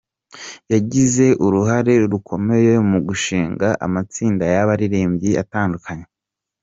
Yagize uruhare rukomeye mu gushinga amatsinda y’abaririmbyi atandukanye.